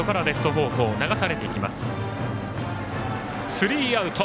スリーアウト。